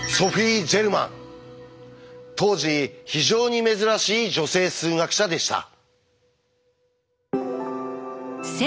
当時非常に珍しい女性数学者でした。